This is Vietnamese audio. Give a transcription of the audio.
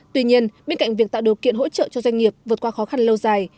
tuy nhiên bên cạnh việc tạo điều kiện hỗ trợ cho doanh nghiệp vượt qua khó khăn lâu dài